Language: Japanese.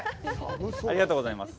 ありがとうございます。